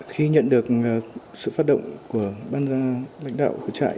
khi nhận được sự phát động của ban lãnh đạo của trại